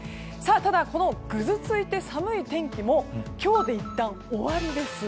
ただ、このぐずついて寒い天気も今日でいったん、終わりです。